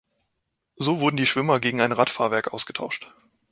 So wurden die Schwimmer gegen ein Radfahrwerk ausgetauscht.